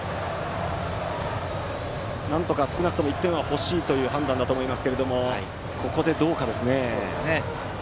なんとか少なくとも１点が欲しいという判断ですがここでどうか。